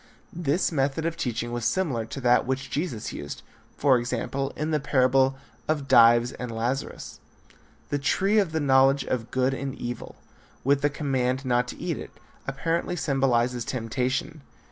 This method of teaching was similar to that which Jesus used, for example, in the parable of Dives and Lazarus. The tree of the knowledge of good and evil, with the command not to eat of it, apparently symbolizes temptation.